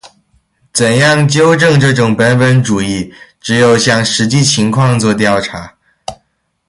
怎样纠正这种本本主义？只有向实际情况作调查。